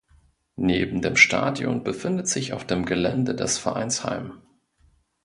Neben dem Stadion befindet sich auf dem Gelände das Vereinsheim.